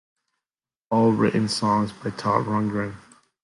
All songs written by Todd Rundgren.